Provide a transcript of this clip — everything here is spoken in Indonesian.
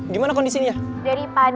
semangat kasian leaders back